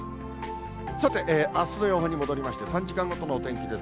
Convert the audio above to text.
さて、あすの予報に戻りまして、３時間ごとのお天気です。